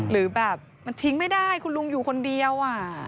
หรือแบบมันทิ้งไม่ได้คุณลุงอยู่คนเดียว